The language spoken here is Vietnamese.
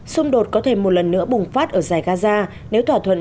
xung đột có thể một lần nữa bùng phát ở giải gaza nếu thỏa thuận